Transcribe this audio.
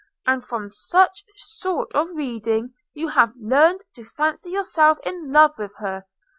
and from such sort of reading you have learned to fancy yourself in love with her.